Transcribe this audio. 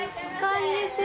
こんにちは。